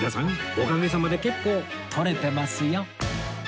おかげさまで結構撮れてますよ